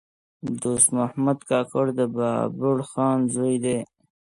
دوست محمد کاکړ د بابړخان زوی دﺉ.